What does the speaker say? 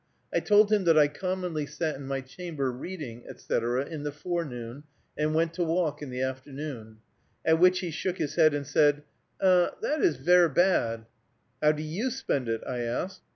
I told him that I commonly sat in my chamber reading, etc., in the forenoon, and went to walk in the afternoon. At which he shook his head and said, "Er, that is ver bad." "How do you spend it?" I asked.